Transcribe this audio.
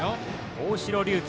大城龍紀